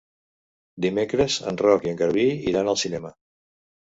Dimecres en Roc i en Garbí iran al cinema.